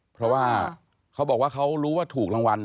เพราะว่าเขาบอกว่าเขารู้ว่าถูกรางวัล